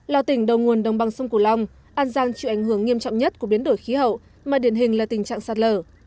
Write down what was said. là tỉnh đầu nguồn đồng bằng sông cửu long an giang chịu ảnh hưởng nghiêm trọng nhất của biến đổi khí hậu mà điển hình là tình trạng sạt lở